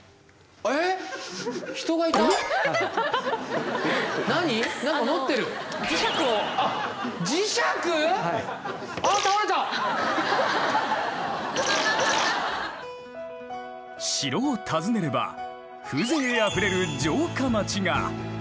あっ磁石⁉城を訪ねれば風情あふれる城下町が。